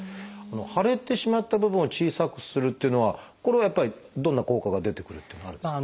腫れてしまった部分を小さくするっていうのはこれはやっぱりどんな効果が出てくるっていうのはあるんですか？